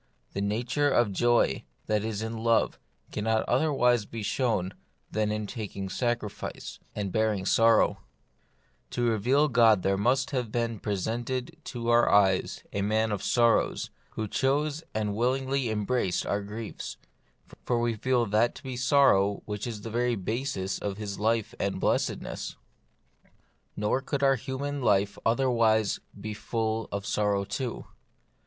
The nature of the joy that is in love cannot otherwise be shown than in taking sacrifice, and bearing sorrow. To reveal God there must have been presented * This chapter is partly a recapitulation. 68 The Mystery of Pain, to our eyes a Man of Sorrows, who chose and willingly embraced our griefs ; for we feel that to be sorrow which is the very basis of His life and blessedness. Nor could our human life be otherwise than full of sorrow too.